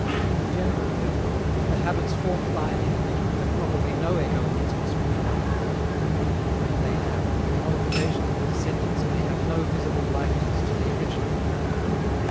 In general, therefore, the habits formed by an individual have probably no echo in its offspring; and when they have, the modification in the descendants may have no visible likeness to the original one.